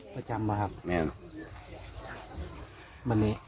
ประจำหรือครับ